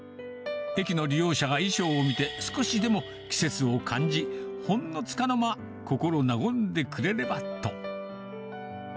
駅の利用者が衣装を見て、少しでも季節を感じ、ほんのつかの間、心和んでくれればと。